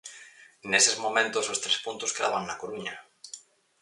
Neses momentos os tres puntos quedaban na Coruña.